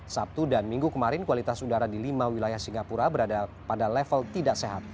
sabtu dan minggu kemarin kualitas udara di lima wilayah singapura berada pada level tidak sehat